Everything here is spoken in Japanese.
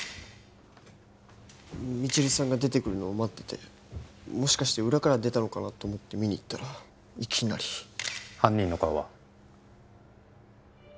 未知留さんが出てくるのを待っててもしかして裏から出たのかなと思って見に行ったらいきなり犯人の顔は？